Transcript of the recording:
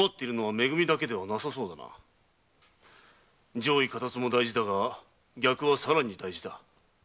上意下達も大事だが逆はさらに大事だ。